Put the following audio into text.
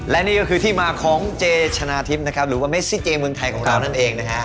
และนี่ก็คือที่มาของเจชนะทิพย์นะครับหรือว่าเมซิเจเมืองไทยของเรานั่นเองนะฮะ